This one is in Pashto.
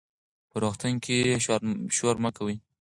په روغتون کې شور مه کوئ.